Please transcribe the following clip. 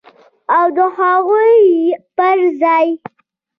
او د هغوی پر ځای